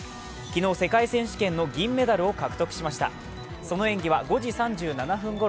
昨日、世界選手権の銀メダルを獲得しました。